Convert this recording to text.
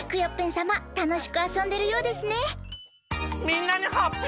さまたのしくあそんでるようですね。